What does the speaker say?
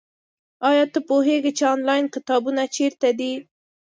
ایا ته پوهېږې چې انلاین کتابتونونه چیرته دي؟